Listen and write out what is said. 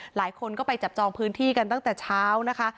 หลายคนก็ไปจับจองพื้นที่กันตั้งแต่เช้านะคะ